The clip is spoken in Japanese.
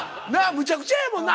むちゃくちゃやもんな？